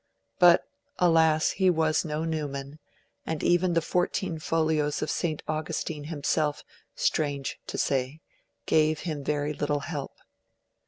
But, alas! he was no Newman; and even the fourteen folios of St. Augustine himself, strange to say, gave him very little help.